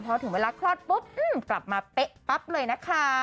พอถึงเวลาคลอดปุ๊บกลับมาเป๊ะปั๊บเลยนะคะ